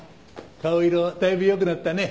顔色だいぶ良くなったね。